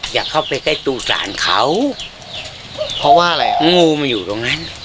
อยากเข้าไปใกล้ตูศาลเขาเพราะว่าอะไรอ่ะงูมันอยู่ตรงนั้น